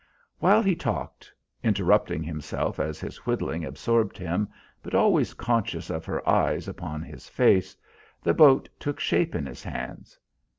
While he talked, interrupting himself as his whittling absorbed him, but always conscious of her eyes upon his face, the boat took shape in his hands.